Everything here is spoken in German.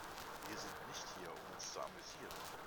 Wir sind nicht hier, um uns zu amüsieren.